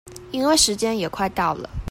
因為時間也快到了